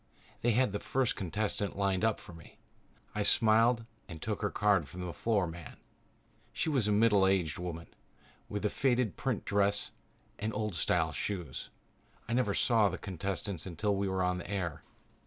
They had the first contestant lined up for me. I smiled and took her card from the floor man. She was a middle aged woman with a faded print dress and old style shoes. I never saw the contestants until we were on the air.